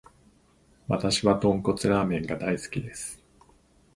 わたしは豚骨ラーメンが大好きです。